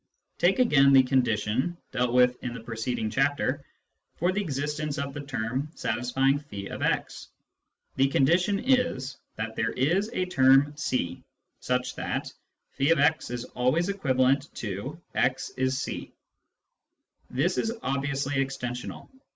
Take, again, the condition, dealt with in the preceding chapter, for the existence of " the term satisfying <f>x." The condition is that there is a term c such that <f>x is always equivalent to " x is c." This is obviously extensional.